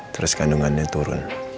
terus kandungannya turun